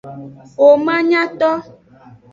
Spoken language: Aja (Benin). Womanyato.